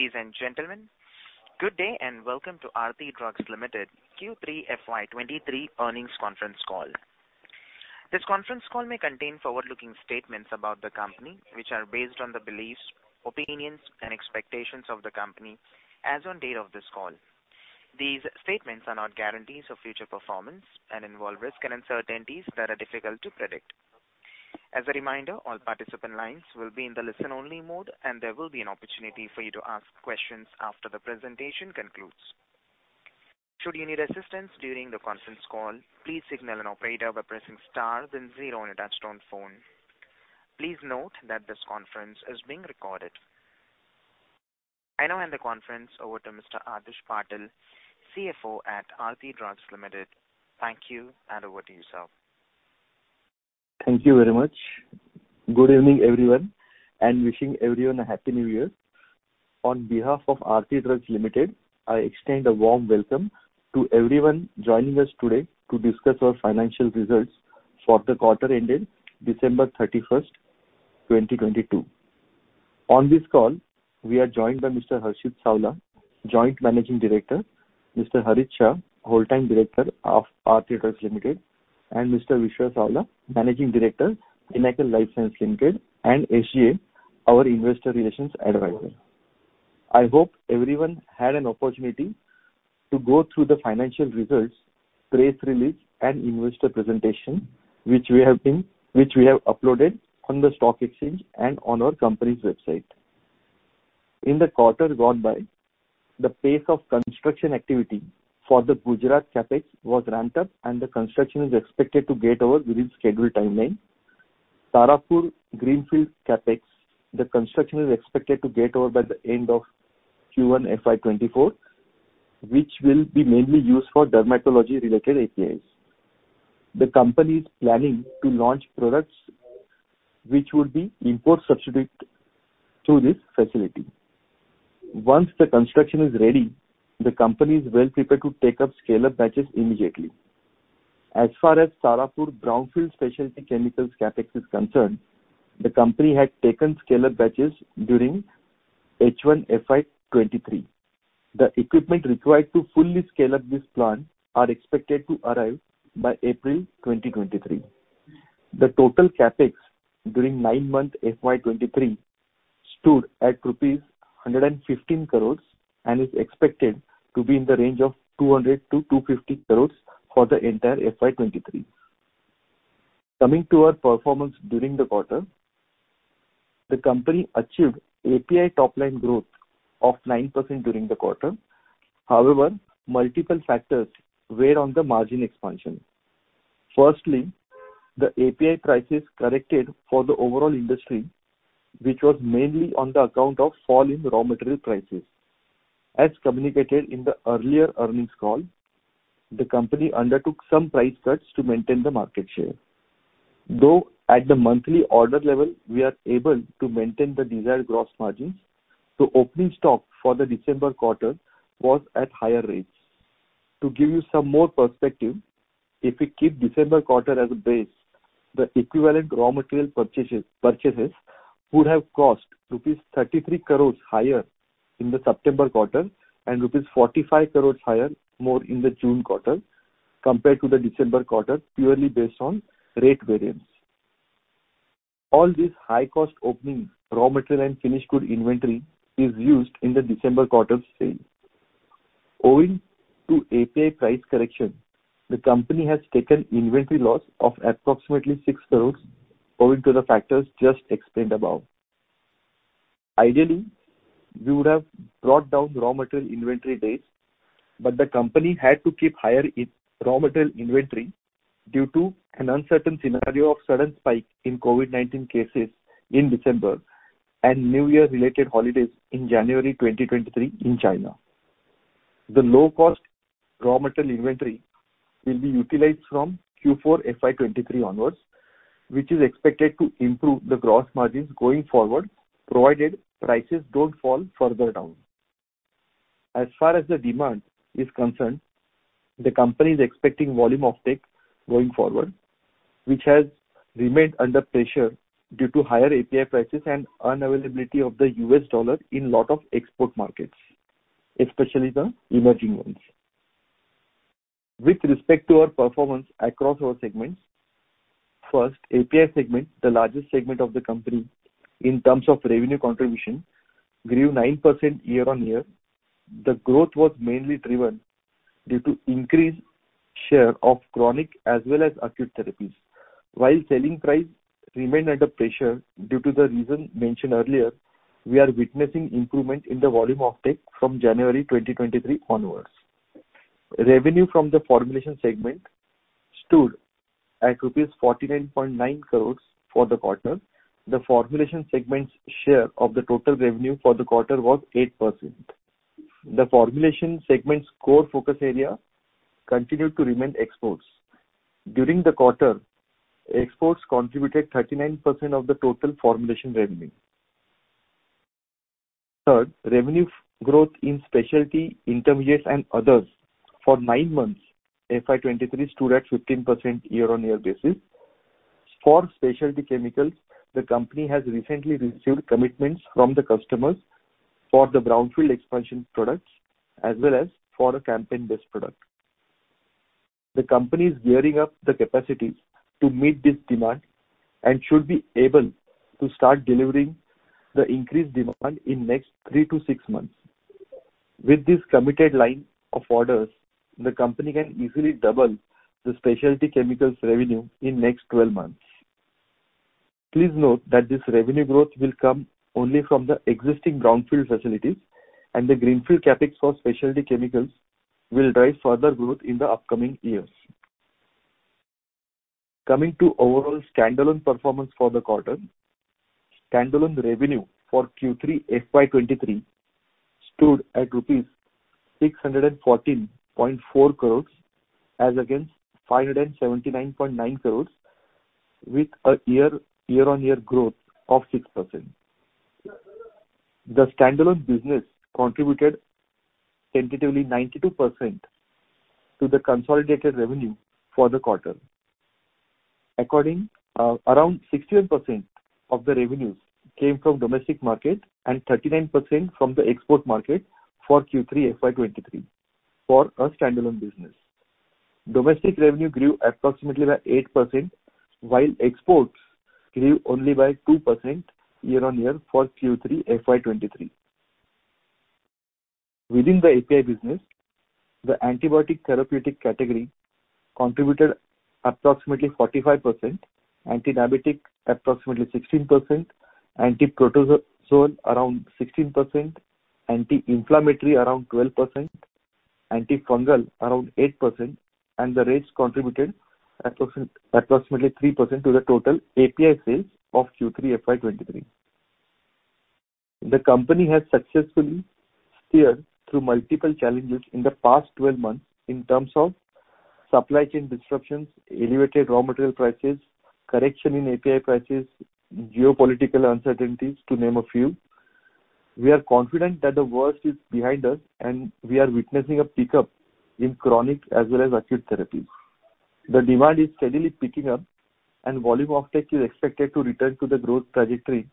Ladies and gentlemen, good day and welcome to Aarti Drugs Limited Q3 FY 2023 Earnings Conference Call. This conference call may contain forward-looking statements about the company, which are based on the beliefs, opinions and expectations of the company as on date of this call. These statements are not guarantees of future performance and involve risks and uncertainties that are difficult to predict. As a reminder, all participant lines will be in the listen-only mode, and there will be an opportunity for you to ask questions after the presentation concludes. Should you need assistance during the conference call, please signal an operator by pressing star then zero on your touchtone phone. Please note that this conference is being recorded. I now hand the conference over to Mr. Adhish Patil, CFO at Aarti Drugs Limited. Thank you, and over to you, sir. Thank you very much. Good evening, everyone. Wishing everyone a happy new year. On behalf of Aarti Drugs Limited, I extend a warm welcome to everyone joining us today to discuss our financial results for the quarter ending December 31, 2022. On this call, we are joined by Mr. Harshit Savla, Joint Managing Director, Mr. Harit Shah, whole-time Director of Aarti Drugs Limited, and Mr. Vishwa Savla, Managing Director, Pinnacle Life Science Private Limited, and SGA, our investor relations advisor. I hope everyone had an opportunity to go through the financial results, press release, and investor presentation, which we have uploaded on the stock exchange and on our company's website. In the quarter gone by, the pace of construction activity for the Gujarat CapEx was ramped up. The construction is expected to get over within scheduled timeline. Tarapur Greenfield CapEx, the construction is expected to get over by the end of Q1 FY 2024, which will be mainly used for dermatology-related APIs. The company is planning to launch products which would be import substitute to this facility. Once the construction is ready, the company is well prepared to take up scaleup batches immediately. As far as Tarapur brownfield specialty chemicals CapEx is concerned, the company had taken scale-up batches during H1 FY 2023. The equipment required to fully scale up this plant are expected to arrive by April 2023. The total CapEx during nine-month FY 2023 stood at rupees 115 crores and is expected to be in the range of 200-250 crores for the entire FY 2023. Coming to our performance during the quarter, the company achieved API top line growth of 9% during the quarter. However, multiple factors weigh on the margin expansion. Firstly, the API prices corrected for the overall industry, which was mainly on the account of fall in raw material prices. As communicated in the earlier earnings call, the company undertook some price cuts to maintain the market share. Though at the monthly order level we are able to maintain the desired gross margins, the opening stock for the December quarter was at higher rates. To give you some more perspective, if we keep December quarter as a base, the equivalent raw material purchases would have cost rupees 33 crore higher in the September quarter and rupees 45 crore higher more in the June quarter compared to the December quarter, purely based on rate variance. All this high-cost opening raw material and finished good inventory is used in the December quarter's sale. Owing to API price correction, the company has taken inventory loss of approximately 6 crores owing to the factors just explained above. Ideally, we would have brought down raw material inventory days, the company had to keep higher raw material inventory due to an uncertain scenario of sudden spike in COVID-19 cases in December and new year-related holidays in January 2023 in China. The low-cost raw material inventory will be utilized from Q4 FY 2023 onwards, which is expected to improve the gross margins going forward, provided prices don't fall further down. As far as the demand is concerned, the company is expecting volume offtake going forward, which has remained under pressure due to higher API prices and unavailability of the US dollar in lot of export markets, especially the emerging ones. With respect to our performance across our segments, first, API segment, the largest segment of the company in terms of revenue contribution, grew 9% year-on-year. The growth was mainly driven due to increased share of chronic as well as acute therapies. While selling price remained under pressure due to the reason mentioned earlier, we are witnessing improvement in the volume offtake from January 2023 onwards. Revenue from the formulation segment stood at rupees 49.9 crores for the quarter. The formulation segment's share of the total revenue for the quarter was 8%. The formulation segment's core focus area continued to remain exports. During the quarter, exports contributed 39% of the total formulation revenue. Third, revenue growth in specialty intermediates and others for nine months FY 2023 stood at 15% year-on-year basis. For specialty chemicals, the company has recently received commitments from the customers for the brownfield expansion products as well as for a campaign-based product. The company is gearing up the capacities to meet this demand and should be able to start delivering the increased demand in next three to six months. With this committed line of orders, the company can easily double the specialty chemicals revenue in next 12 months. Please note that this revenue growth will come only from the existing brownfield facilities, and the greenfield CapEx for specialty chemicals will drive further growth in the upcoming years. Coming to overall standalone performance for the quarter. Standalone revenue for Q3 FY 2023 stood at rupees 614.4 crores as against 579.9 crores with a year-on-year growth of 6%. The standalone business contributed tentatively 92% to the consolidated revenue for the quarter. According, around 68% of the revenues came from domestic market and 39% from the export market for Q3 FY 2023 for our standalone business. Domestic revenue grew approximately by 8%, while exports grew only by 2% year-on-year for Q3 FY 2023. Within the API business, the antibiotic therapeutic category contributed approximately 45%, antidiabetic approximately 16%, antiprotozoal around 16%, anti-inflammatory around 12%, antifungal around 8%, and the rest contributed approximately 3% to the total API sales of Q3 FY 2023. The company has successfully steered through multiple challenges in the past 12 months in terms of supply chain disruptions, elevated raw material prices, correction in API prices, geopolitical uncertainties, to name a few. We are confident that the worst is behind us. We are witnessing a pickup in chronic as well as acute therapies. The demand is steadily picking up. Volume offtake is expected to return to the growth trajectory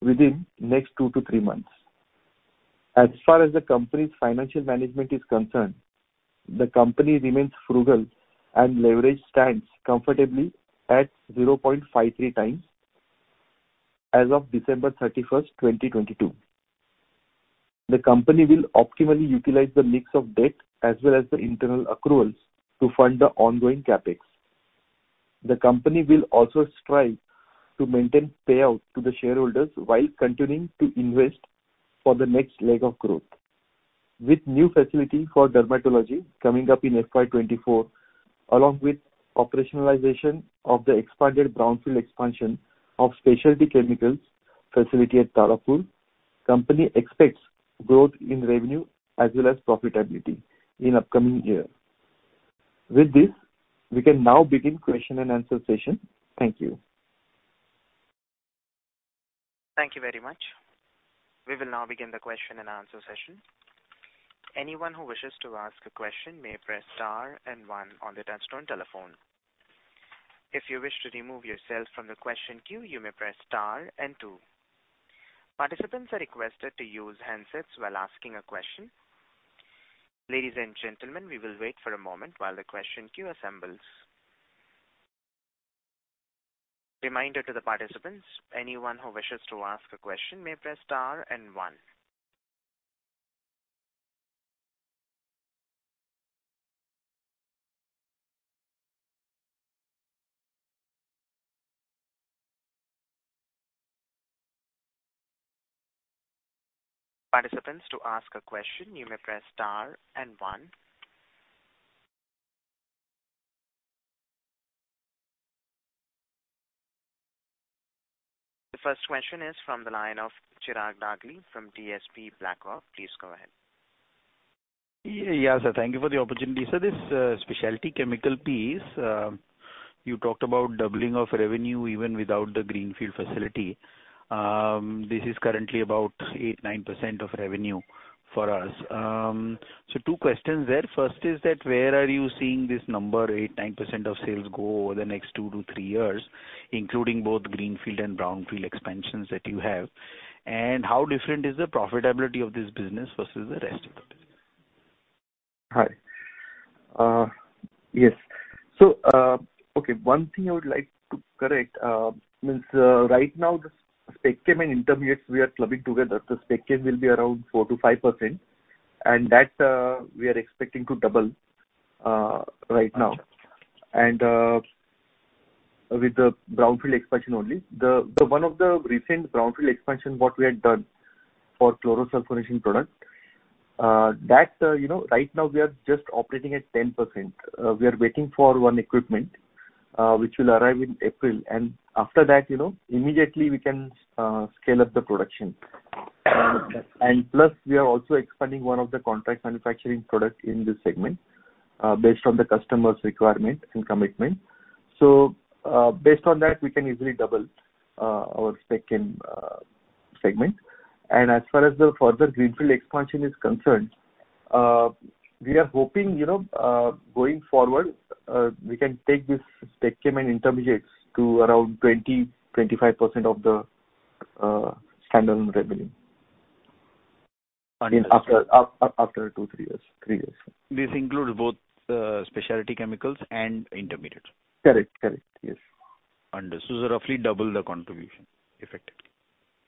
within next two to three months. As far as the company's financial management is concerned, the company remains frugal. Leverage stands comfortably at 0.53x as of December 31st, 2022. The company will optimally utilize the mix of debt as well as the internal accruals to fund the ongoing CapEx. The company will also strive to maintain payout to the shareholders while continuing to invest for the next leg of growth. With new facility for dermatology coming up in FY 2024, along with operationalization of the expanded brownfield expansion of specialty chemicals facility at Tarapur, company expects growth in revenue as well as profitability in upcoming year. We can now begin question and answer session. Thank you. Thank you very much. We will now begin the question and answer session. Anyone who wishes to ask a question may press star and one on the touchtone telephone. If you wish to remove yourself from the question queue, you may press star and two. Participants are requested to use handsets while asking a question. Ladies and gentlemen, we will wait for a moment while the question queue assembles. Reminder to the participants, anyone who wishes to ask a question may press star and one. Participants, to ask a question you may press star and one. The first question is from the line of Chirag Dagli from DSP BlackRock. Please go ahead. Yeah, sir. Thank you for the opportunity. Sir, this specialty chemical piece, you talked about doubling of revenue even without the greenfield facility. This is currently about 8%-9% of revenue for us. Two questions there. First is that where are you seeing this number 8%-9% of sales go over the next two to three years, including both greenfield and brownfield expansions that you have? How different is the profitability of this business versus the rest of the business? Hi. Yes. Okay, one thing I would like to correct, right now, the SpecChem and intermediates we are clubbing together. The SpecChem will be around 4%-5%, and that we are expecting to double right now. Gotcha. With the brownfield expansion only. The one of the recent brownfield expansion, what we had done for chlorosulfonation product, that, you know, right now we are just operating at 10%. We are waiting for one equipment, which will arrive in April. After that, you know, immediately we can scale up the production. Okay. Plus we are also expanding one of the contract manufacturing product in this segment, based on the customer's requirement and commitment. Based on that, we can easily double our SpecChem segment. As far as the further greenfield expansion is concerned, we are hoping, you know, going forward, we can take this SpecChem and intermediates to around 20%-25% of the standalone revenue. Understood. In after two, three years. three years. This includes both, specialty chemicals and intermediates. Correct. Correct. Yes. Understood. roughly double the contribution, effectively.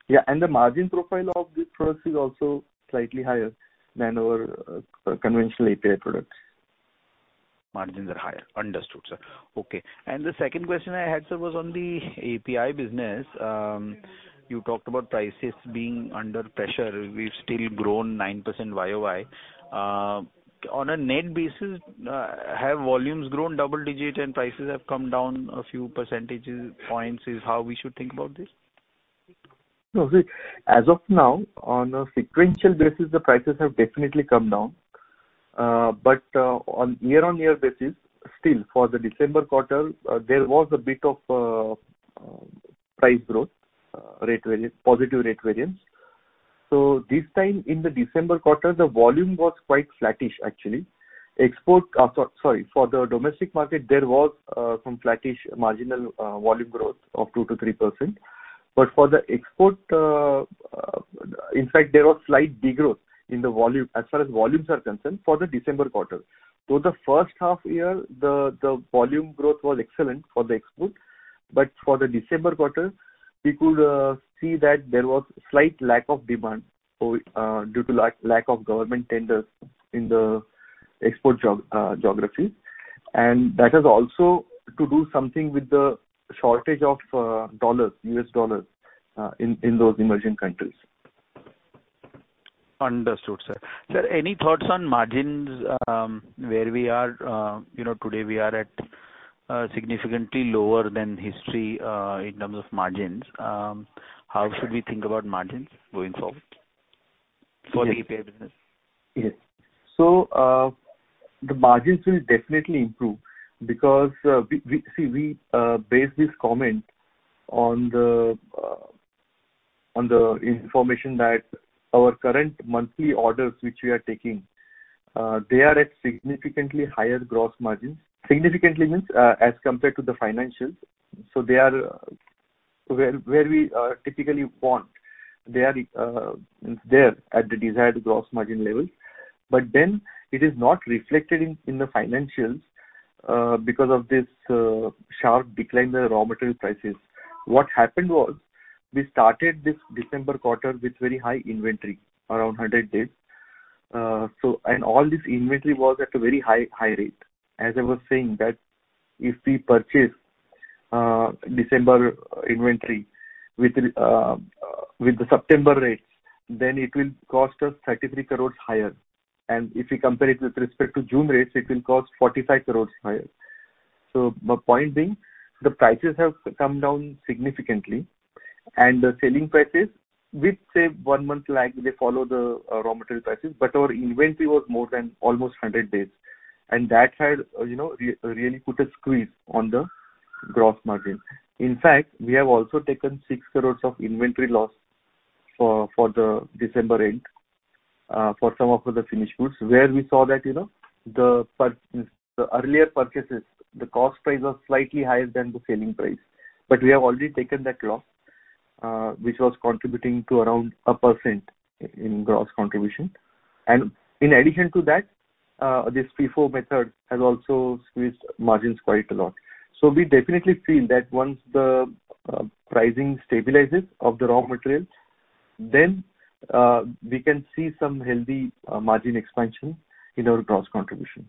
Yeah. The margin profile of these products is also slightly higher than our conventional API products. Margins are higher. Understood, sir. Okay. The second question I had, sir, was on the API business. You talked about prices being under pressure. We've still grown 9% YOY. On a net basis, have volumes grown double digit and prices have come down a few percentage points, is how we should think about this? No. See, as of now, on a sequential basis, the prices have definitely come down. On year-on-year basis, still for the December quarter, there was a bit of price growth, rate variance, positive rate variance. This time in the December quarter, the volume was quite flattish actually. Sorry, for the domestic market, there was some flattish marginal volume growth of 2%-3%. For the export, in fact there was slight degrowth in the volume as far as volumes are concerned for the December quarter. The first half year, the volume growth was excellent for the export. For the December quarter, we could see that there was slight lack of demand due to lack of government tenders in the export geography. That has also to do something with the shortage of dollars, US dollars, in those emerging countries. Understood, sir. Sir, any thoughts on margins, where we are? You know, today we are at significantly lower than history, in terms of margins. Correct. How should we think about margins going forward for the API business? Yes. The margins will definitely improve because we base this comment on the information that our current monthly orders which we are taking, they are at significantly higher gross margins. Significantly means, as compared to the financials. They are where we typically want. They are there at the desired gross margin level. It is not reflected in the financials because of this sharp decline in the raw material prices. We started this December quarter with very high inventory, around 100 days. All this inventory was at a very high rate. As I was saying that if we purchase December inventory with the September rates, then it will cost us 33 crores higher. If we compare it with respect to June rates, it will cost 45 crore higher. My point being, the prices have come down significantly, and the selling prices, with say one-month lag, they follow the raw material prices, but our inventory was more than almost 100 days. That had, you know, really put a squeeze on the gross margin. In fact, we have also taken 6 crore of inventory loss for the December end for some of the finished goods where we saw that, you know, the earlier purchases, the cost price was slightly higher than the selling price. We have already taken that loss, which was contributing to around 1% in gross contribution. In addition to that, this FIFO method has also squeezed margins quite a lot. We definitely feel that once the pricing stabilizes of the raw materials, then we can see some healthy margin expansion in our gross contribution.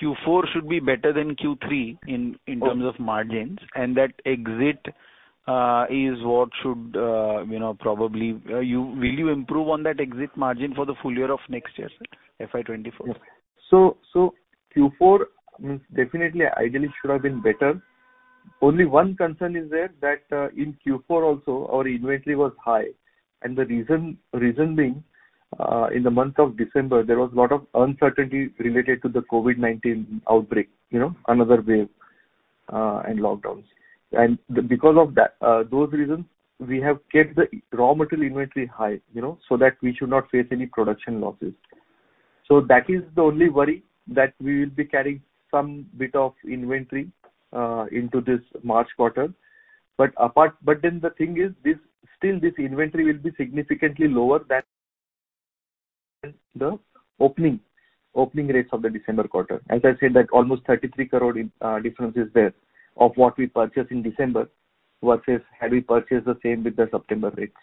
Q4 should be better than Q3 in terms of margins. Of course. That exit, is what should, you know, probably, Will you improve on that exit margin for the full year of next year, sir, FY 2024? Yes. Q4 means definitely ideally should have been better. Only one concern is there that in Q4 also our inventory was high. The reason being in the month of December, there was a lot of uncertainty related to the COVID-19 outbreak, you know, another wave and lockdowns. Because of that, those reasons, we have kept the raw material inventory high, you know, so that we should not face any production losses. That is the only worry that we will be carrying some bit of inventory into this March quarter. Then the thing is this, still this inventory will be significantly lower than the opening rates of the December quarter. As I said, that almost 33 crore, difference is there of what we purchased in December versus had we purchased the same with the September rates.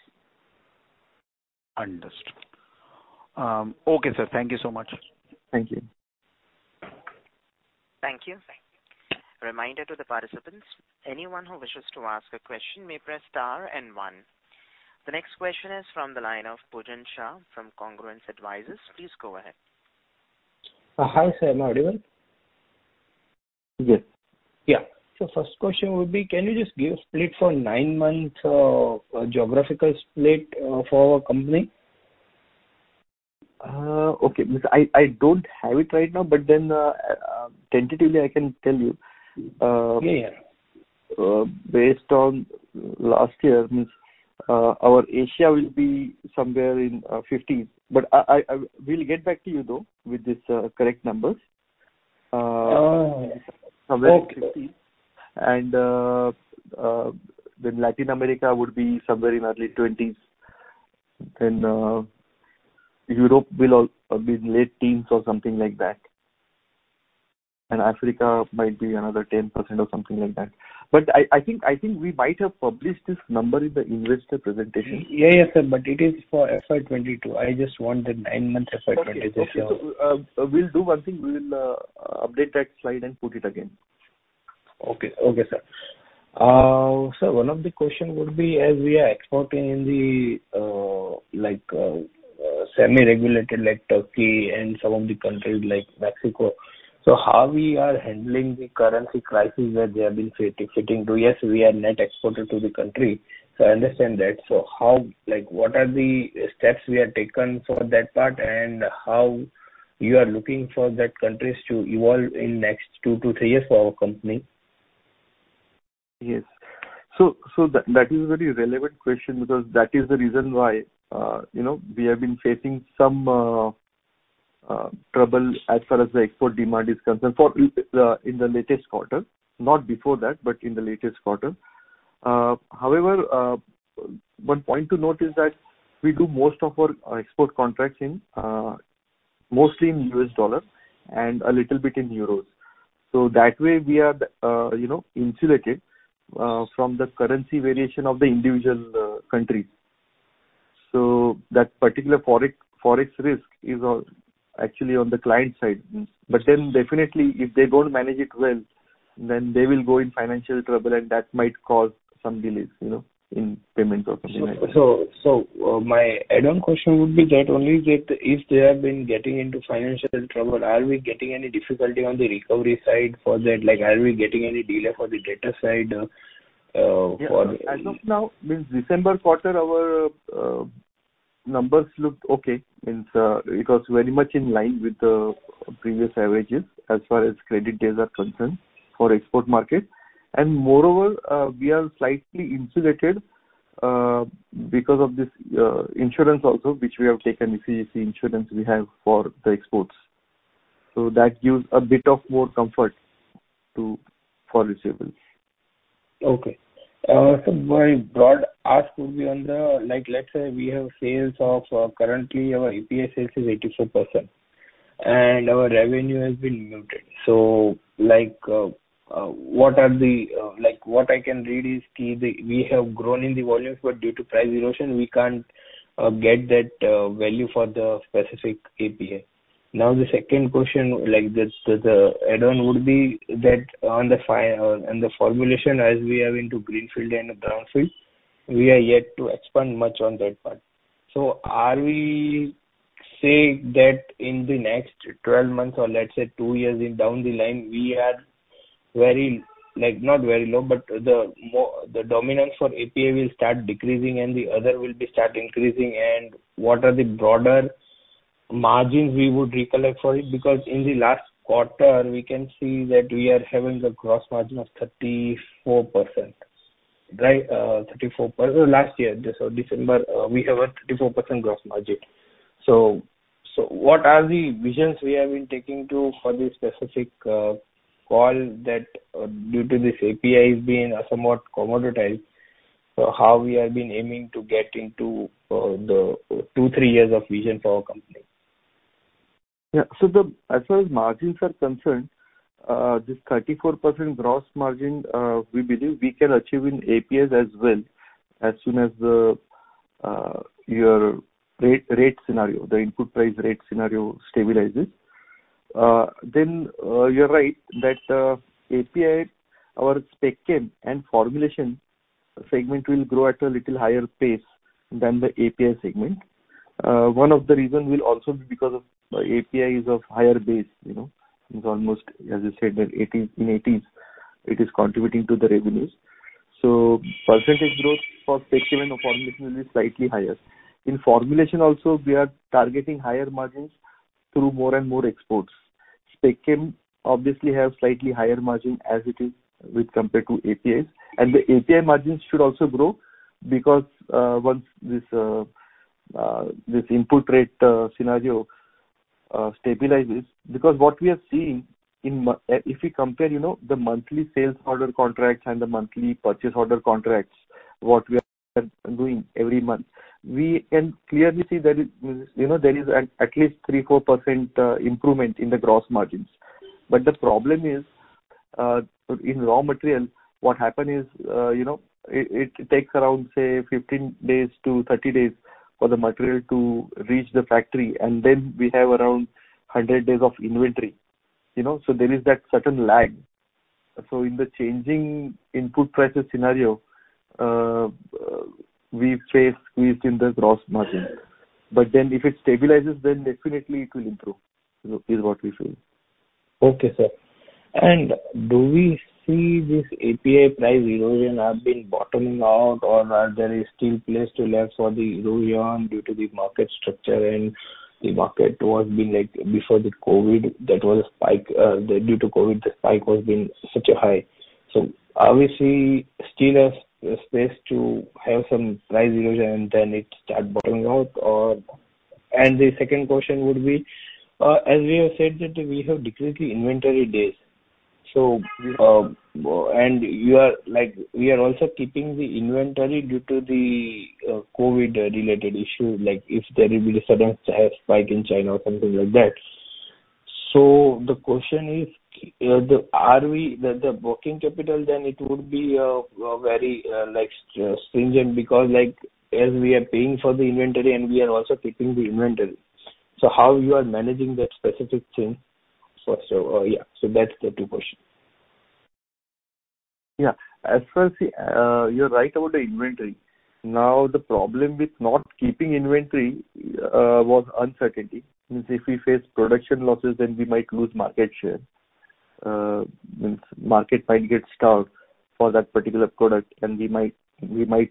Understood. Okay, sir. Thank you so much. Thank you. Thank you. Reminder to the participants, anyone who wishes to ask a question may press star and one. The next question is from the line of Pujan Shah from Congruence Advisers. Please go ahead. Hi, sir. Am I audible? Yes. Yeah. First question would be, can you just give a split for nine months, geographical split for our company? Okay. I don't have it right now, but then, tentatively I can tell you. Yeah, yeah. Based on last year, means, our Asia will be somewhere in, 15. We'll get back to you, though, with this, correct numbers. Oh, okay. Somewhere in 15. Latin America would be somewhere in early 20s. Europe will be late teens or something like that. Africa might be another 10% or something like that. I think, I think we might have published this number in the investor presentation. Yeah, yeah, sir, it is for FY 2022. I just want the nine-month FY 2023 share. Okay. Okay. We'll do one thing. We will update that slide and put it again. Okay. Okay, sir. Sir, one of the question would be, as we are exporting in the, like, semi-regulated like Turkey and some of the countries like Mexico, How we are handling the currency crisis that they have been facing to? Yes, we are net exporter to the country, so I understand that. How. Like, what are the steps we have taken for that part, and how you are looking for that countries to evolve in next two to three years for our company? Yes. That is a very relevant question because that is the reason why, you know, we have been facing some trouble as far as the export demand is concerned for in the latest quarter. Not before that, but in the latest quarter. However, one point to note is that we do most of our export contracts in mostly in US dollar and a little bit in euros. That way we are, you know, insulated from the currency variation of the individual countries. That particular forex risk is actually on the client side. Definitely if they don't manage it well, then they will go in financial trouble and that might cause some delays, you know, in payments or something like that. My add-on question would be that only that if they have been getting into financial trouble, are we getting any difficulty on the recovery side for that? Like, are we getting any delay for the debtor side? Yeah. As of now, means December quarter, our numbers looked okay. Means, it was very much in line with the previous averages as far as credit days are concerned for export market. Moreover, we are slightly insulated because of this insurance also, which we have taken, ECGC insurance we have for the exports. That gives a bit of more comfort for receivables. Okay. My broad ask would be on the, let's say we have sales of, currently our API sales is 84% and our revenue has been muted. What I can read is the, we have grown in the volumes, but due to price erosion, we can't get that value for the specific API. The second question, the add-on would be that on the formulation as we are into greenfield and brownfield, we are yet to expand much on that part. Are we, say that in the next 12 months or let's say two years down the line, we are very, not very low, but the dominance for API will start decreasing and the other will be start increasing and what are the broader margins we would recollect for it? In the last quarter, we can see that we are having the gross margin of 34%, right? 34%. Last year, December, we have a 34% gross margin. What are the visions we have been taking to for this specific call that due to this API being somewhat commoditized, how we have been aiming to get into the two, three years of vision for our company? As far as margins are concerned, this 34% gross margin, we believe we can achieve in APIs as well as soon as your rate scenario, the input price rate scenario stabilizes. You're right that API, our SpecChem and formulation segment will grow at a little higher pace than the API segment. One of the reason will also be because of API is of higher base, you know. It's almost, as I said, in 18, in 80s, it is contributing to the revenues. Percentage growth for SpecChem and formulation will be slightly higher. In formulation also, we are targeting higher margins through more and more exports. SpecChem obviously have slightly higher margin as it is with compared to APIs. The API margins should also grow because once this input rate scenario stabilizes. What we are seeing, if we compare, you know, the monthly sales order contracts and the monthly purchase order contracts, what we are doing every month, we can clearly see there is, you know, there is at least 3%-4% improvement in the gross margins. The problem is, in raw material, what happens is, you know, it takes around, say, 15 days to 30 days for the material to reach the factory, and then we have around 100 days of inventory, you know. There is that certain lag. In the changing input prices scenario, we face squeeze in the gross margin. If it stabilizes, then definitely it will improve, you know, is what we feel. Okay, sir. Do we see this API price erosion have been bottoming out or are there is still place to left for the erosion due to the market structure and the market was being like before the COVID that was spike, due to COVID the spike was being such a high. So are we see still a space to have some price erosion and then it start bottoming out or? The second question would be, as we have said that we have decreased the inventory days. you are like, we are also keeping the inventory due to the COVID related issue, like if there will be a sudden spike in China or something like that. The question is, are we the working capital then it would be very like stringent because like as we are paying for the inventory and we are also keeping the inventory. How you are managing that specific thing for so, yeah? That's the two question. As far as the. You're right about the inventory. The problem with not keeping inventory was uncertainty. If we face production losses then we might lose market share. Market might get stuck for that particular product and we might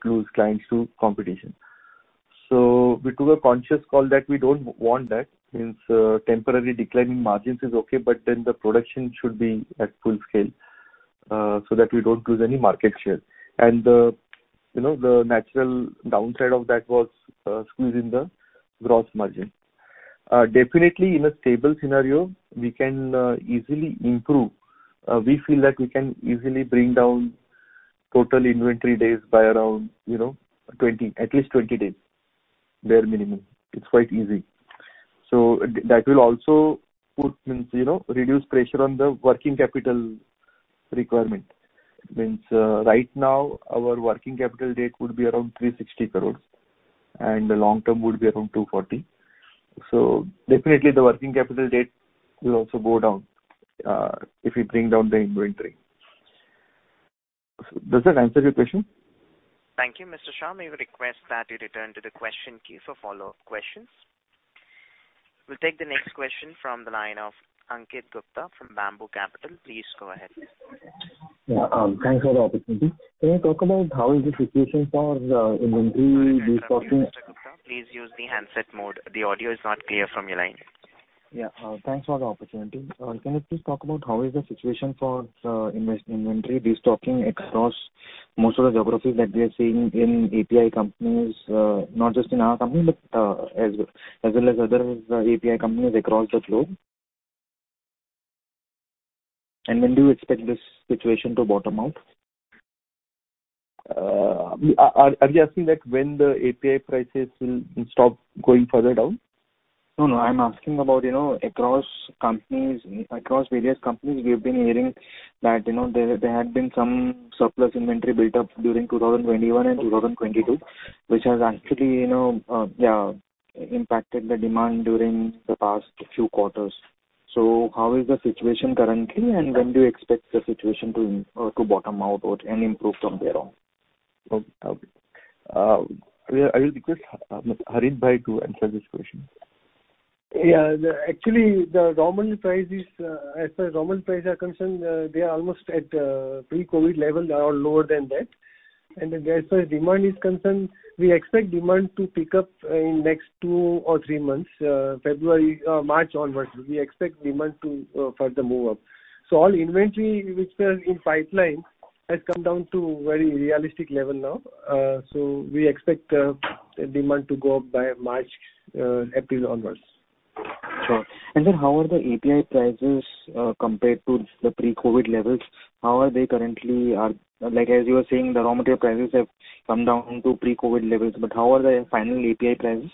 lose clients to competition. We took a conscious call that we don't want that. Temporary declining margins is okay, but then the production should be at full scale so that we don't lose any market share. The, you know, the natural downside of that was squeezing the gross margin. Definitely in a stable scenario we can easily improve. We feel that we can easily bring down total inventory days by around, you know, 20, at least 20 days, bare minimum. It's quite easy. That will also put, means, you know, reduce pressure on the working capital requirement. Means, right now our working capital debt would be around 360 crores and the long term would be around 240 crores. Definitely the working capital debt will also go down if we bring down the inventory. Does that answer your question? Thank you, Mr. Shah. May we request that you return to the question queue for follow-up questions. We'll take the next question from the line of Ankit Gupta from Bamboo Capital. Please go ahead. Yeah. Thanks for the opportunity. Can you talk about how is the situation for the inventory destocking? Mr. Gupta, please use the handset mode. The audio is not clear from your line. Yeah. Thanks for the opportunity. Can you please talk about how is the situation for inventory destocking across most of the geographies that we are seeing in API companies, not just in our company but as well as other API companies across the globe? When do you expect this situation to bottom out? Are you asking like when the API prices will stop going further down? No, no. I'm asking about, you know, across companies, across various companies we've been hearing that, you know, there had been some surplus inventory built up during 2021 and 2022 which has actually, you know, impacted the demand during the past few quarters. How is the situation currently and when do you expect the situation to bottom out or and improve from there on? Okay. I will request Harit bhai to answer this question. Actually, the raw material prices, as far as raw material prices are concerned, they are almost at pre-COVID level or lower than that. As far as demand is concerned, we expect demand to pick up in next two or three months, February, March onwards, we expect demand to further move up. All inventory which was in pipeline has come down to very realistic level now. We expect the demand to go up by March, April onwards. Sure. How are the API prices compared to the pre-COVID levels? Like as you were saying, the raw material prices have come down to pre-COVID levels, how are the final API prices?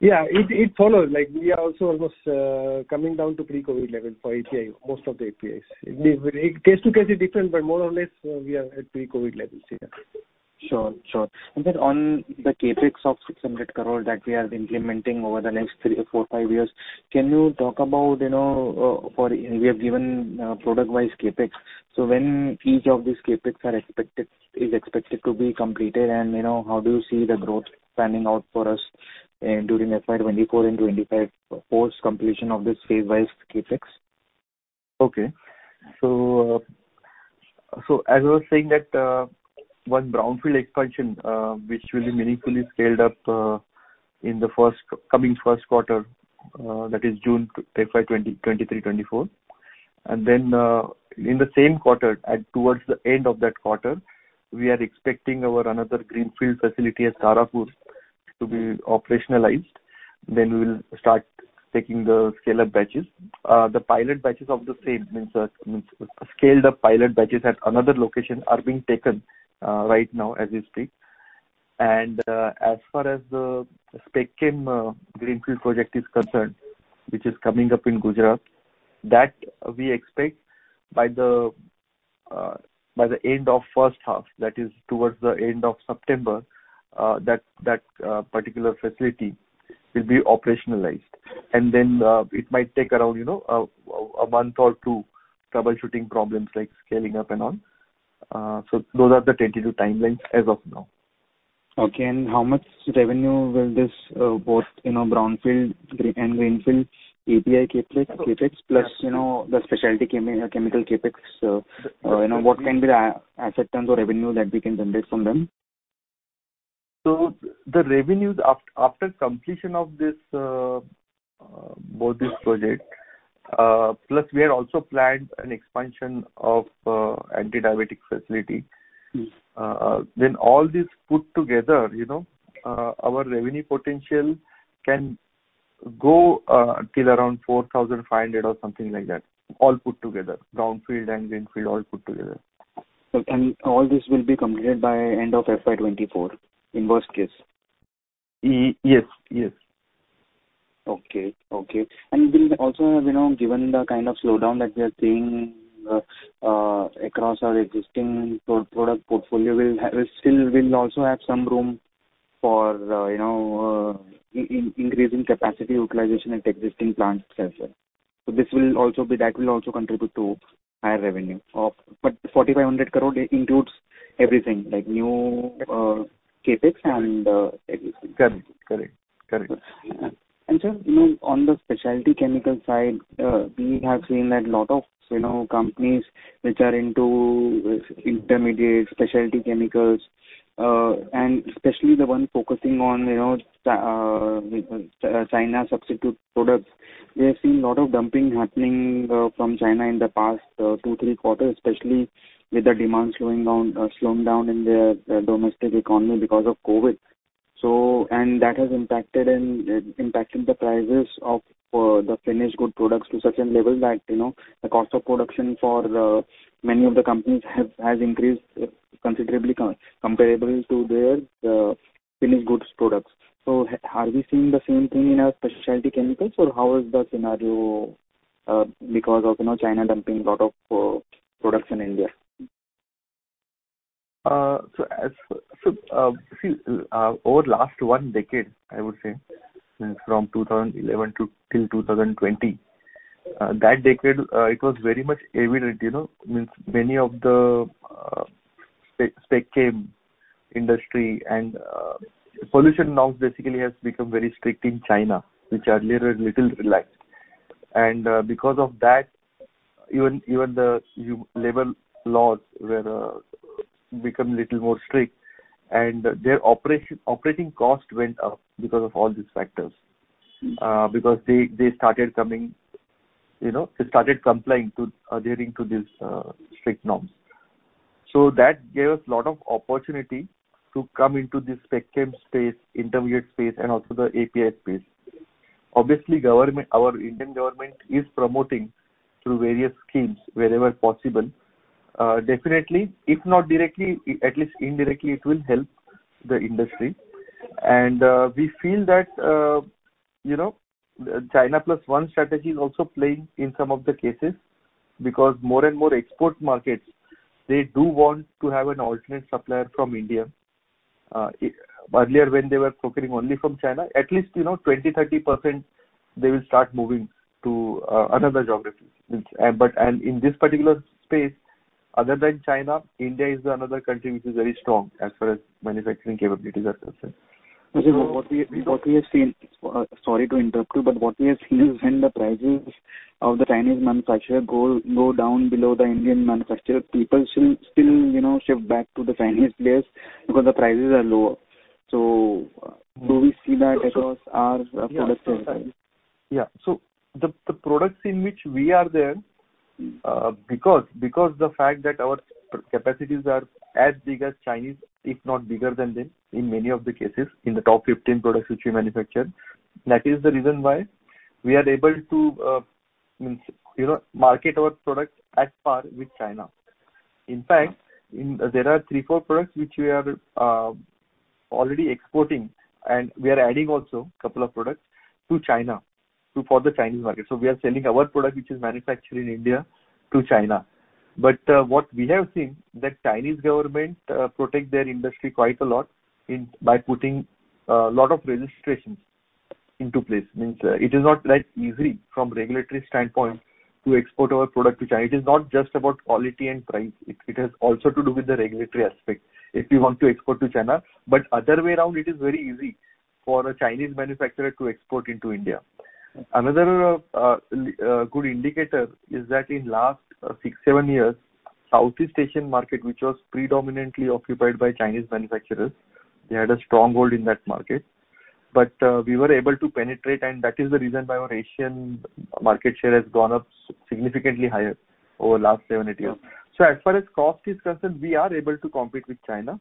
It follows. Like we are also almost coming down to pre-COVID level for API, most of the APIs. It case to case is different, but more or less we are at pre-COVID levels. Sure. Sure. On the CapEx of 600 crore that we are implementing over the next three or four, five years, can you talk about, you know, for we have given product-wise CapEx. So when each of these CapEx is expected to be completed and, you know, how do you see the growth panning out for us during FY 2024 and 2025 post completion of this phase-wise CapEx? Okay. As I was saying that, one brownfield expansion, which will be meaningfully scaled up, in the first, coming first quarter, that is June FY 2023, 2024. In the same quarter at towards the end of that quarter, we are expecting our another greenfield facility at Tarapur to be operationalized. We will start taking the scale-up batches. The pilot batches of the same, means the scaled up pilot batches at another location are being taken, right now as we speak. As far as the SpecChem greenfield project is concerned, which is coming up in Gujarat, that we expect by the end of first half, that is towards the end of September, that particular facility will be operationalized. It might take around, you know, a month or two troubleshooting problems like scaling up and on. So those are the tentative timelines as of now. Okay. How much revenue will this, both, you know, brownfield and greenfield API CapEx, plus, you know, the specialty chemical CapEx, you know, what can be the asset and the revenue that we can generate from them? The revenues after completion of this, both these projects, plus we have also planned an expansion of antidiabetic facility. Mm-hmm. When all this put together, you know, our revenue potential can go till around 4,500 crore or something like that, all put together, brownfield and greenfield all put together. All this will be completed by end of FY 2024, in worst case? Yes, yes. Okay, okay. Will also, you know, given the kind of slowdown that we are seeing across our existing product portfolio, we'll still also have some room for, you know, increasing capacity utilization at existing plants as well. This will also be. That will also contribute to higher revenue of 4,500 crore includes everything, like new CapEx and everything. Correct. Correct. Correct. Just, you know, on the specialty chemical side, we have seen that a lot of, you know, companies which are into intermediate specialty chemicals, and especially the one focusing on, you know, China substitute products, we have seen a lot of dumping happening from China in the past, two, three quarters, especially with the demand slowing down, slowing down in their domestic economy because of COVID. That has impacted the prices of the finished good products to such a level that, you know, the cost of production for many of the companies has increased considerably comparable to their finished goods products. Are we seeing the same thing in our specialty chemicals, or how is the scenario because of, you know, China dumping a lot of products in India? Over last one decade, I would say from 2011 till 2020, that decade, it was very much evident, you know. Means many of the SpecChem industry and pollution norms basically has become very strict in China, which earlier was little relaxed. Because of that, even the labor laws were become little more strict. Their operating cost went up because of all these factors. Mm-hmm. Because they started coming, you know, they started complying to adhering to these strict norms. That gave us a lot of opportunity to come into this SpecChem space, intermediate space, and also the API space. Obviously government, our Indian government is promoting through various schemes wherever possible. Definitely, if not directly, at least indirectly it will help the industry. We feel that, you know, China plus one strategy is also playing in some of the cases because more and more export markets, they do want to have an alternate supplier from India. Earlier when they were procuring only from China, at least, you know, 20%, 30% they will start moving to another geography. In this particular space, other than China, India is another country which is very strong as far as manufacturing capabilities are concerned. What we have seen, sorry to interrupt you, but what we have seen is when the prices of the Chinese manufacturer go down below the Indian manufacturer, people still, you know, ship back to the Chinese place because the prices are lower. Do we see that across our products as well? The products in which we are there, because the fact that our capacities are as big as Chinese, if not bigger than them in many of the cases in the top 15 products which we manufacture, that is the reason why we are able to, you know, market our products at par with China. In fact, there are three, four products which we are already exporting and we are adding also couple of products to China for the Chinese market. We are selling our product which is manufactured in India to China. What we have seen that Chinese government protect their industry quite a lot by putting a lot of registrations into place. Means it is not like easy from regulatory standpoint to export our product to China. It is not just about quality and price. It has also to do with the regulatory aspect if you want to export to China. Other way around it is very easy for a Chinese manufacturer to export into India. Another good indicator is that in last six, seven years, Southeast Asian market, which was predominantly occupied by Chinese manufacturers, they had a strong hold in that market, but we were able to penetrate and that is the reason why our Asian market share has gone up significantly higher over last seven, eight years. As far as cost is concerned, we are able to compete with China.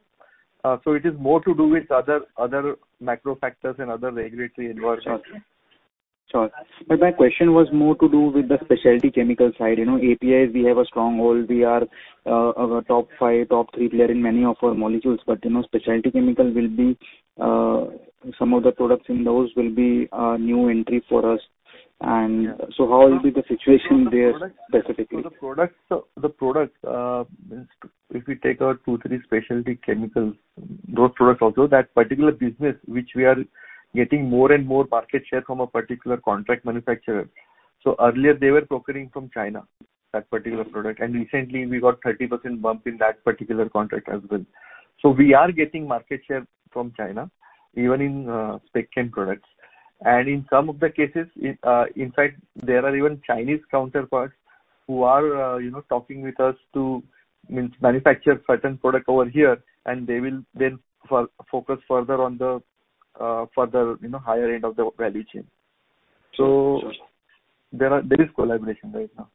It is more to do with other macro factors and other regulatory environment. Sure. My question was more to do with the specialty chemical side. You know, APIs we have a strong hold. We are top five, top three player in many of our molecules. You know, specialty chemical will be some of the products in those will be a new entry for us. How will be the situation there specifically? The products, the products, if we take our two, three specialty chemicals, those products also, that particular business which we are getting more and more market share from a particular contract manufacturer. Earlier they were procuring from China, that particular product, and recently we got 30% bump in that particular contract as well. We are getting market share from China, even in SpecChem products. In some of the cases, in fact, there are even Chinese counterparts who are, you know, talking with us to manufacture certain product over here, and they will then focus further on the, further, you know, higher end of the value chain. Sure. There is collaboration right now.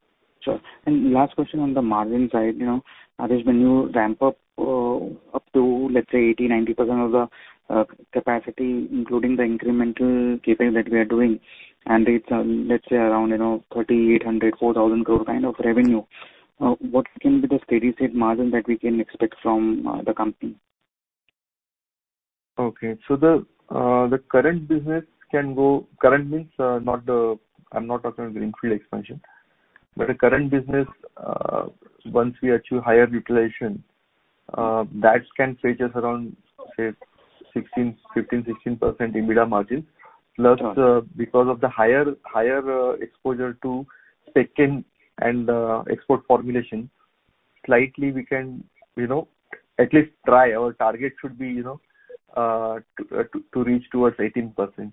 Sure. Last question on the margin side, you know, Rajesh, when you ramp up to let's say 80%-90% of the capacity, including the incremental CapEx that we are doing, and it's, let's say around, you know, 3,800-4,000 crore kind of revenue, what can be the steady-state margin that we can expect from the company? Okay. The current business, I'm not talking of the increased expansion. The current business, once we achieve higher utilization, that can take us around, say 16, 15, 16% EBITDA margin. Sure. Because of the higher exposure to SpecChem and export formulation, slightly we can, you know, at least try. Our target should be, you know, to reach towards 18%.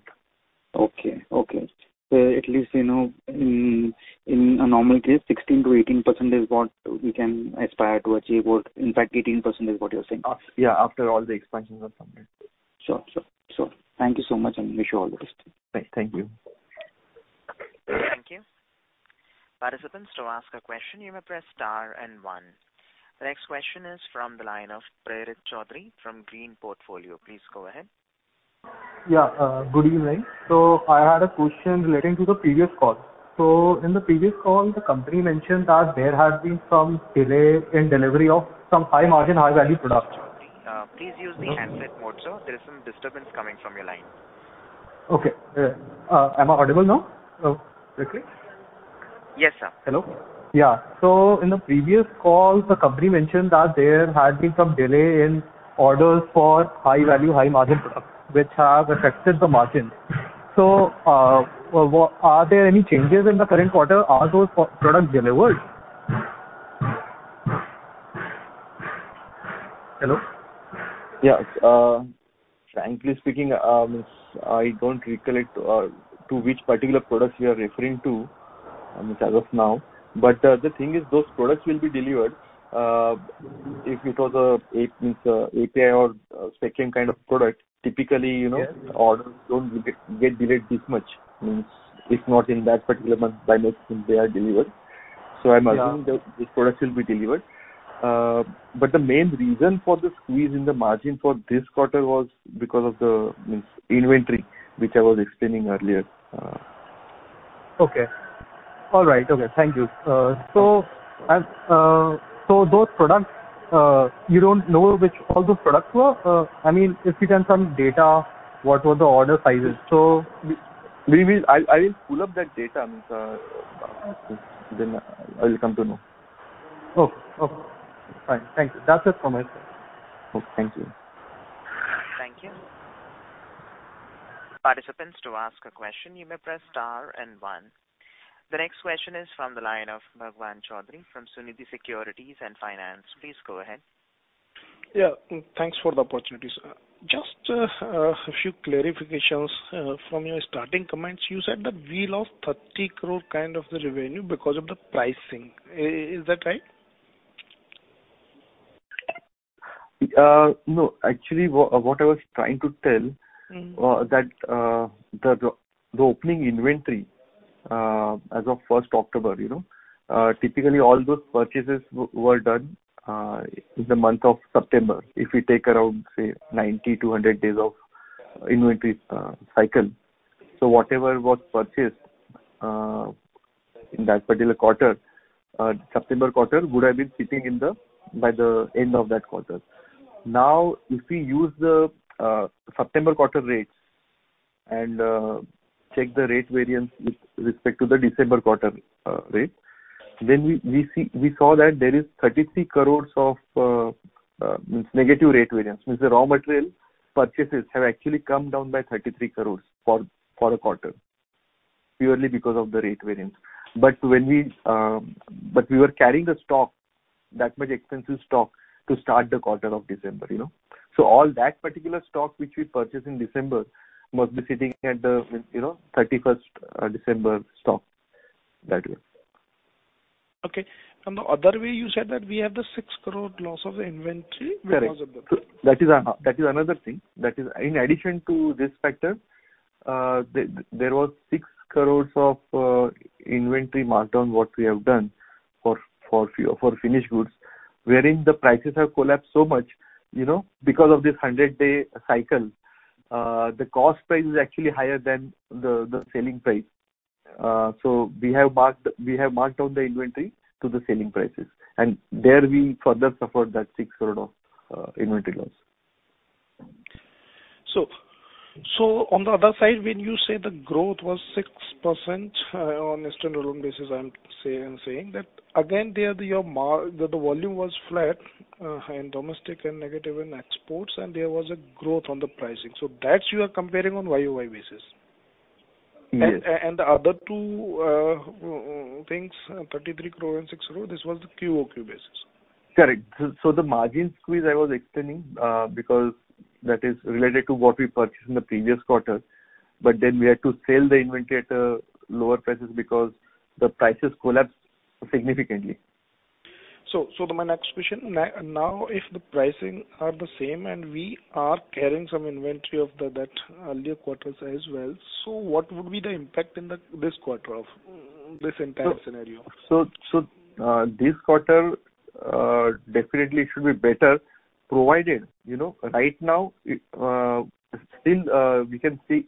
Okay. Okay. At least you know in a normal case, 16%-18% is what we can aspire to achieve or in fact 18% is what you're saying. Yeah. After all the expansions are completed. Sure. Sure. Sure. Thank you so much, and wish you all the best. Thank you. Thank you. Participants, to ask a question you may press star and one. The next question is from the line of Prerit Choudhary from Green Portfolio. Please go ahead. Yeah. good evening. I had a question relating to the previous call. In the previous call, the company mentioned that there had been some delay in delivery of some high margin, high value products. Prerit Choudhary, please use the handset mode, sir. There is some disturbance coming from your line. Okay. Am I audible now? Hello. Quickly. Yes, sir. Hello. Yeah. In the previous call, the company mentioned that there had been some delay in orders for high value, high margin products which have affected the margin. Are there any changes in the current quarter? Are those products delivered? Hello? Yeah. Frankly speaking, I don't recollect to which particular products you are referring to, I mean, as of now. The thing is, those products will be delivered. If it was a API or a SpecChem kind of product, typically, you know. Yes Orders don't get delayed this much. Means, if not in that particular month, by next month they are delivered. Yeah. I imagine the, these products will be delivered, but the main reason for the squeeze in the margin for this quarter was because of the, means, inventory which I was explaining earlier. Okay. All right. Okay. Thank you. Those products, you don't know which all those products were? I mean, if you can some data, what were the order sizes? I will pull up that data, then I will come to know. Fine. Thank you. That's it from my side. Okay. Thank you. Thank you. Participants, to ask a question you may press star one. The next question is from the line of Bhagwan Choudhary from Sunidhi Securities and Finance. Please go ahead. Thanks for the opportunity, sir. Just, a few clarifications, from your starting comments. You said that we lost 30 crore kind of the revenue because of the pricing. Is that right? No. Actually, what I was trying to tell. Mm-hmm That the opening inventory as of 1st October, you know. Typically all those purchases were done in the month of September. If we take around, say 90 to 100 days of inventory cycle. Whatever was purchased in that particular quarter, September quarter, would have been sitting in the, by the end of that quarter. Now, if we use the September quarter rates and check the rate variance with respect to the December quarter rate, then we saw that there is 33 crores of means negative rate variance. Means the raw material purchases have actually come down by 33 crores for a quarter, purely because of the rate variance. When we. We were carrying the stock, that much expensive stock to start the quarter of December, you know. All that particular stock which we purchased in December must be sitting at the, means, you know, 31st December stock that way. Okay. The other way you said that we have the 6 crore loss of inventory. Correct. Because of the. That is another thing. That is in addition to this factor, there was 6 crore of inventory markdown what we have done for finished goods, wherein the prices have collapsed so much, you know. Because of this 100-day cycle, the cost price is actually higher than the selling price. So we have marked down the inventory to the selling prices. There we further suffered that 6 crore of inventory loss. On the other side, when you say the growth was 6% on a standard basis, I'm saying that again, there the volume was flat in domestic and negative in exports, and there was a growth on the pricing. That you are comparing on year-over-year basis. And the other two things, 33 crore and 6 crore, this was the quarter-over-quarter basis. Correct. The margin squeeze I was explaining, because that is related to what we purchased in the previous quarter, but then we had to sell the inventory at lower prices because the prices collapsed significantly. My next question. Now, if the pricing are the same and we are carrying some inventory of that earlier quarters as well, what would be the impact in this quarter of this entire scenario? This quarter, definitely should be better, provided, you know, right now, it, still, we can see,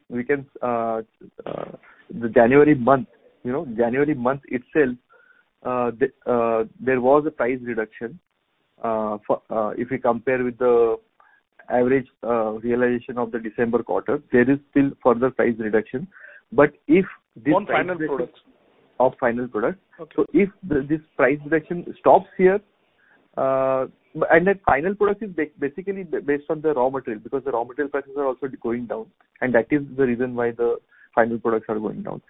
the January month, you know, January month itself, there was a price reduction. If we compare with the average, realization of the December quarter, there is still further price reduction. On final products. Of final products. Okay. If this price reduction stops here, and the final product is basically based on the raw material, because the raw material prices are also going down, and that is the reason why the final products are going down.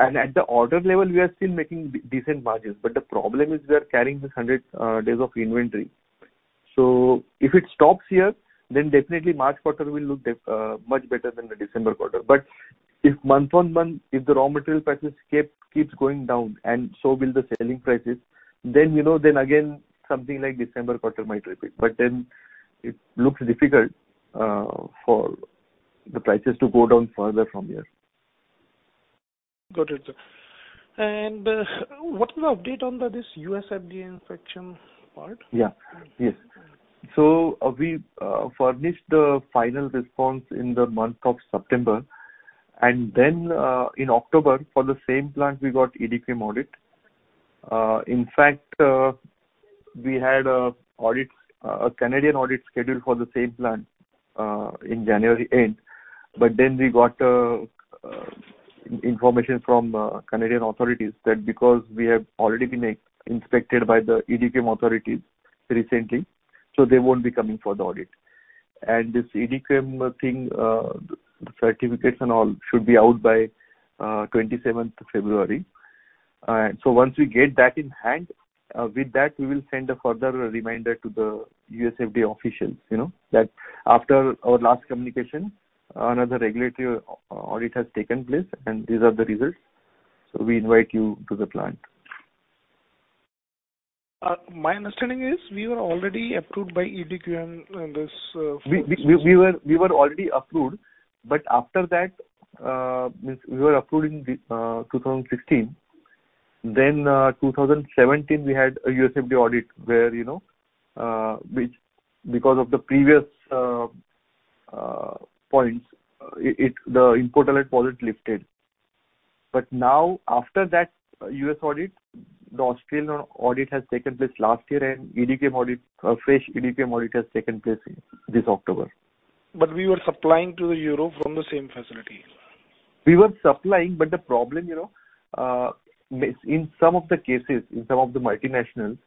At the order level, we are still making decent margins, but the problem is we are carrying this 100 days of inventory. If it stops here, then definitely March quarter will look much better than the December quarter. If month-on-month, if the raw material prices keeps going down, and so will the selling prices, then, you know, then again something like December quarter might repeat. It looks difficult for the prices to go down further from here. Got it, sir. What is the update on this US FDA inspection part? Yes. We furnished the final response in the month of September. In October, for the same plant, we got EDQM audit. In fact, we had a Canadian audit scheduled for the same plant in January end, but then we got information from Canadian authorities that because we have already been inspected by the EDQM authorities recently, so they won't be coming for the audit. This EDQM thing, the certification all should be out by 27th February. Once we get that in hand, with that, we will send a further reminder to the US FDA officials, you know, that after our last communication, another regulatory audit has taken place, and these are the results. We invite you to the plant. My understanding is we were already approved by EDQM in this. We were already approved. After that, means we were approved in 2015. 2017, we had a US FDA audit where, you know, which because of the previous points, the import alert was lifted. Now after that US audit, the Australian audit has taken place last year and EDQM audit, a fresh EDQM audit has taken place this October. We were supplying to Europe from the same facility. We were supplying. The problem, you know, in some of the cases, in some of the multinationals,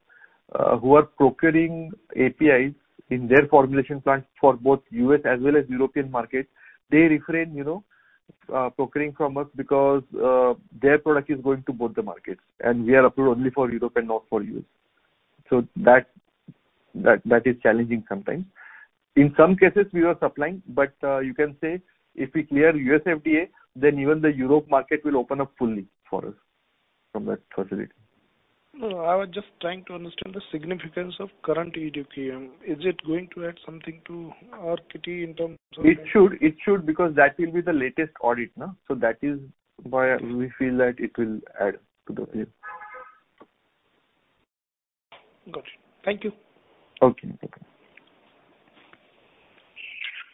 who are procuring APIs in their formulation plant for both US as well as European markets, they refrain, you know, procuring from us because, their product is going to both the markets, and we are approved only for Europe and not for US That is challenging sometimes. In some cases we were supplying. You can say if we clear US FDA, then even the Europe market will open up fully for us from that facility. I was just trying to understand the significance of current EDQM. Is it going to add something to our kitty in terms of. It should. It should, because that will be the latest audit, no? That is why we feel that it will add to the view. Got it. Thank you. Okay. Thank you.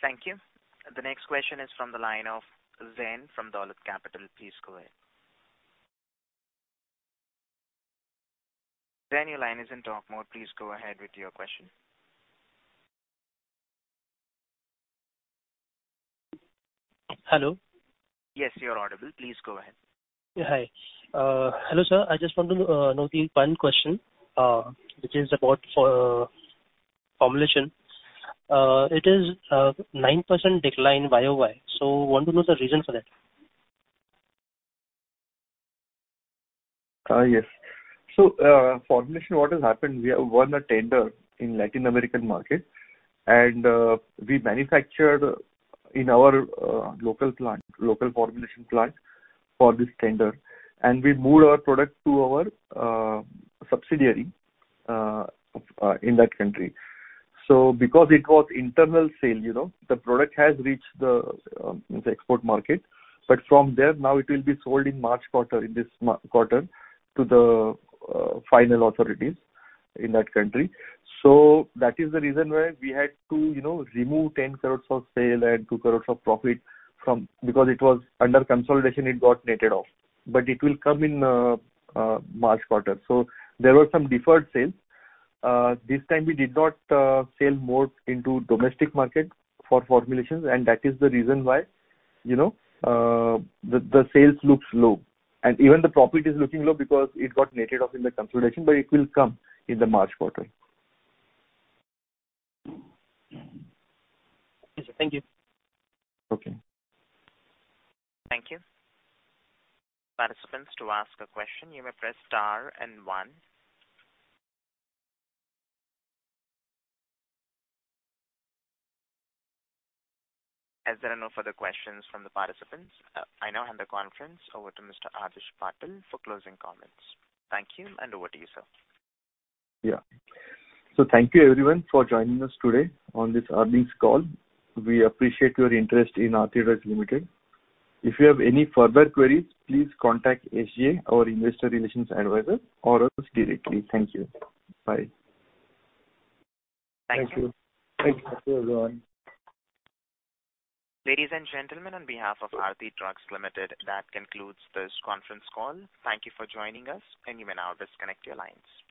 Thank you. The next question is from the line of Zain from Dolat Capital. Please go ahead. Zain, your line is in talk mode. Please go ahead with your question. Hello. Yes, you're audible. Please go ahead. Hi. Hello, sir. I just want to know the one question, which is about for formulation. It is 9% decline YOY, so want to know the reason for that. Yes. Formulation, what has happened, we have won a tender in Latin American market and we manufactured in our local plant, local formulation plant for this tender, and we moved our product to our subsidiary in that country. Because it was internal sale, you know, the product has reached the export market, but from there now it will be sold in March quarter, in this quarter, to the final authorities in that country. That is the reason why we had to, you know, remove 10 crores of sale and 2 crores of profit because it was under consolidation, it got netted off. It will come in March quarter. There were some deferred sales. This time we did not sell more into domestic market for formulations, and that is the reason why, you know, the sales looks low. Even the profit is looking low because it got netted off in the consolidation, but it will come in the March quarter. Okay. Thank you. Okay. Thank you. Participants, to ask a question, you may press star and one. As there are no further questions from the participants, I now hand the conference over to Mr. Adhish Patil for closing comments. Thank you, and over to you, sir. Thank you everyone for joining us today on this earnings call. We appreciate your interest in Aarti Drugs Limited. If you have any further queries, please contact SGA, our investor relations advisor, or us directly. Thank you. Bye. Thank you. Thank you, everyone. Ladies and gentlemen, on behalf of Aarti Drugs Limited, that concludes this conference call. Thank you for joining us. You may now disconnect your lines.